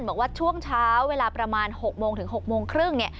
เหมือนว่าช่วงเช้าเวลาประมาณ๖โมงถึง๖โมงครึ่ง